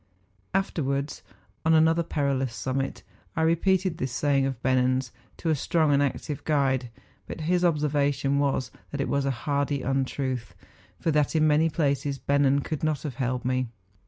Afterwards, on another perilous summit, I repeated this saying of Bennen's to a strong and active guide; but his observation was that it was a hardy untruth, for that in many places Bennen could not have held me.